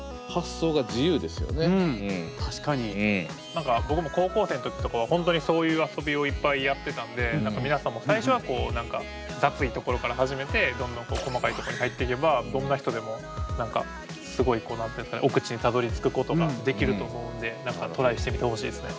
何か僕も高校生の時とかは本当にそういう遊びをいっぱいやってたんで何か皆さんも最初はこう何か雑いところから始めてどんどん細かいとこに入っていけばどんな人でもすごい奥地にたどりつくことができると思うんでトライしてみてほしいですね。